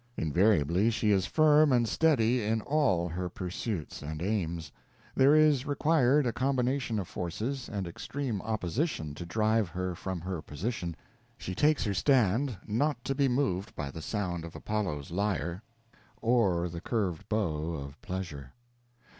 Invariably she is firm and steady in all her pursuits and aims. There is required a combination of forces and extreme opposition to drive her from her position; she takes her stand, not to be moved by the sound of Apollo's lyre or the curved bow of pleasure.